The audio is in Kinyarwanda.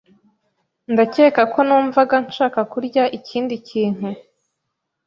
Ndakeka ko numvaga nshaka kurya ikindi kintu .